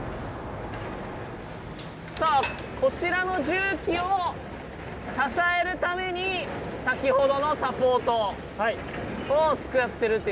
さあこちらの重機を支えるために先ほどのサポートを使ってるということなんですね。